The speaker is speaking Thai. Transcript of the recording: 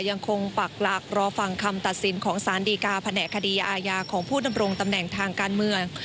ปักหลักรอฟังคำตัดสินของสารดีกาแผนกคดีอาญาของผู้ดำรงตำแหน่งทางการเมือง